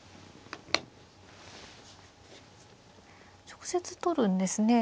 直接取るんですね。